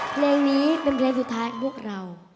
เพลงนี้เป็นเพลงสุดท้ายของพวกเรา